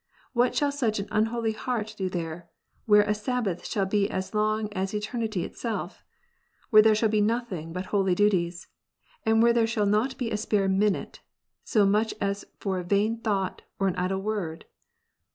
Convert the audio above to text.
What shall such an unholy heart do there, where a Sabbath shall be as long as eternity ^itself ; where there shall be nothing but holy duties ; and where there shall not be a spare minute, so much as for a vain thought, or an idle word?